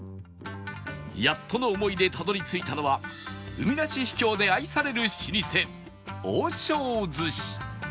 やっとの思いでたどり着いたのは海なし秘境で愛される老舗王将鮨